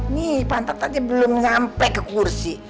nih pantat aja belum nyampe ke kursi